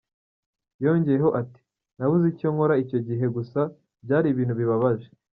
Yongeyeho ati "Nabuze icyo nkora icyo gihe gusa byari ibintu bibabaje.